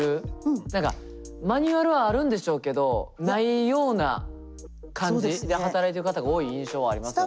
何かマニュアルはあるんでしょうけどないような感じで働いてる方が多い印象はありますよね。